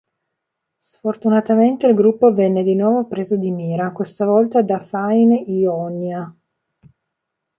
Sfortunatamente, il gruppo venne di nuovo preso di mira, questa volta da Fain Y'onia.